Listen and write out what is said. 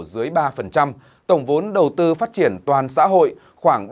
dưới ba tổng vốn đầu tư phát triển toàn xã hội khoảng ba mươi ba ba mươi bốn gdp